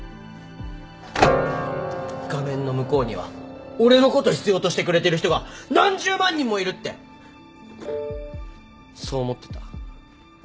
画面の向こうには俺のこと必要としてくれてる人が何十万人もいるってそう思ってた。